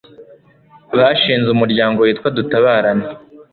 bashinze umuryango witwa dutabarane